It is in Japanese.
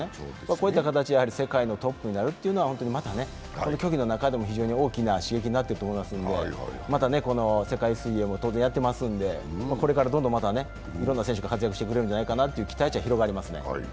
こういった形で世界のトップになるというのはこの競技の中でも非常に大きな刺激になっていると思いますので、また世界水泳もやってますんで、当然またこれからどんどんいろんな選手が活躍してくれるんじゃないかという期待値は上がりますよね。